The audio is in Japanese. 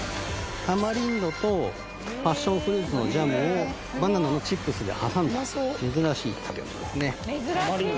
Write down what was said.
タマリンドとパッションフルーツのジャムをバナナのチップスで挟んだ珍しい食べ物ですね